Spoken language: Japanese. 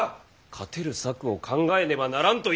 勝てる策を考えねばならんと言っておる！